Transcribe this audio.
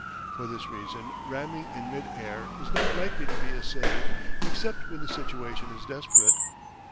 For this reason ramming in mid air is not likely to be essayed except when the situation is desperate.